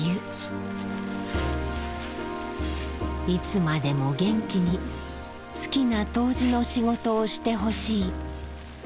いつまでも元気に好きな杜氏の仕事をしてほしい。